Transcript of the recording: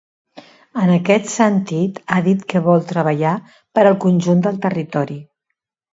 En aquest sentit, ha dit que vol treballar per al conjunt del territori.